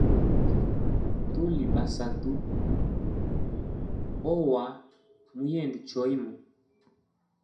Tuli basatu ohawa muyende choimo.